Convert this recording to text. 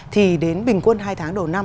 thì đến bình quân hai tháng đầu năm